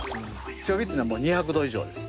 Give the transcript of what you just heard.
強火っていうのは２００度以上です。